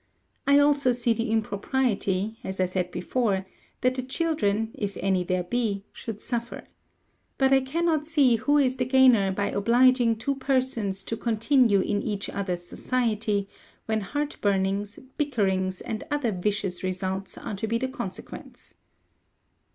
I also see the impropriety, as I said before, that the children, if any there be, should suffer. But I cannot see who is the gainer by obliging two persons to continue in each other's society, when heart burnings, bickerings, and other vicious results, are to be the consequence.